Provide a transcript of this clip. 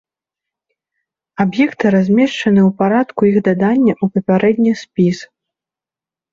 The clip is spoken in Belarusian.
Аб'екты размешчаны ў парадку іх дадання ў папярэдні спіс.